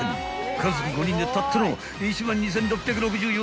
［家族５人でたったの１万２，６６４円！］